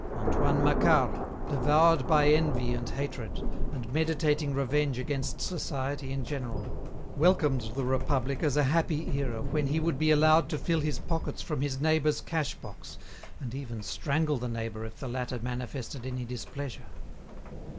Antoine Macquart, devoured by envy and hatred, and meditating revenge against society in general, welcomed the Republic as a happy era when he would be allowed to fill his pockets from his neighbour's cash box, and even strangle the neighbour if the latter manifested any displeasure.